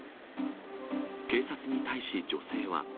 警察に対し、女性は。